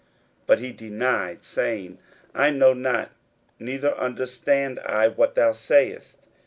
41:014:068 But he denied, saying, I know not, neither understand I what thou sayest.